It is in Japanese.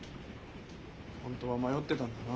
本当は迷ってたんだな